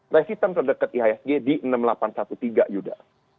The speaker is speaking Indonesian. resistance terdekat iasg di enam delapan ratus tiga belas juga